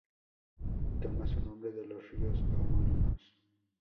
Toma su nombre de los ríos homónimos.